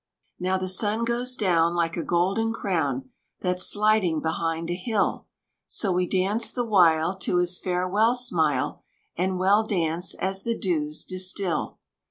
Now the sun goes down Like a golden crown That's sliding behind a hill; So we dance the while To his farewell smile; And well dance as the dews distil.